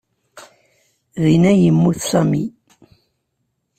Din ay yemmut Sami.